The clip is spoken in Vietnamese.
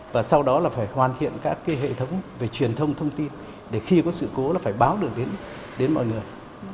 và sau đó là phải hoàn thiện các hệ thống về truyền thông thông tin để khi có sự cố là phải báo được đến mọi người